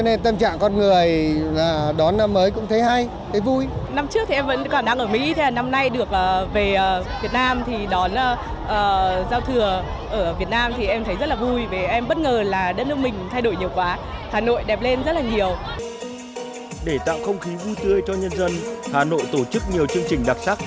để tạo không khí vui tươi cho nhân dân hà nội tổ chức nhiều chương trình đặc sắc